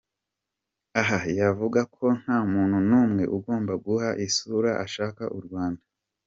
Aha yavuze ko nta muntu n’umwe ugomba guha isura ashaka u Rwanda.